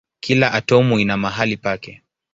Kila atomu ina mahali pake.